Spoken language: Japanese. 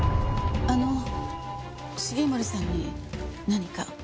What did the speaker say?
あの重森さんに何か？